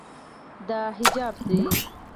دا حجاب ده.